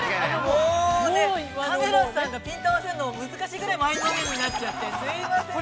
◆もう、カメラさんがピント合わせるのも難しいぐらい前のめりになっちゃってすいませんでした。